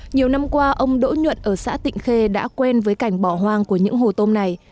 nhiều năm qua ông đỗ nhuận ở xã tịnh khê đã quen với cảnh bỏ hoang của những hồ tôm này